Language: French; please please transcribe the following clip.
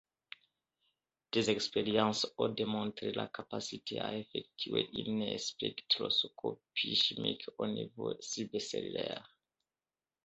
Des expériences ont démontré la capacité à effectuer une spectroscopie chimique au niveau sub-cellulaire.